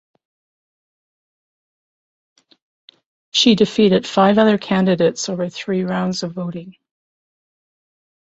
She defeated five other candidates over three rounds of voting.